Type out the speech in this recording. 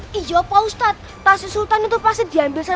karena mereka itu setiap hari